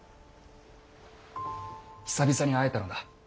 久々に会えたのだ。